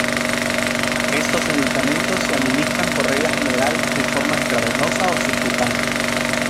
Estos medicamentos se administran por regla general de forma intravenosa o subcutánea.